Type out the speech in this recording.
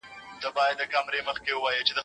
هغوی د شیدو په څښلو مصروفه دي.